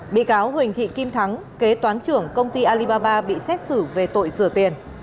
bị cáo huỳnh thị kim thắng kế toán trưởng công ty alibaba bị xét xử về tội rửa tiền